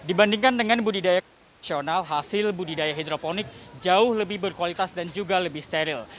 dibandingkan dengan budidaya kasional hasil budidaya hidroponik jauh lebih berkualitas dan juga lebih steril